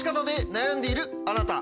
悩んでいるあなた。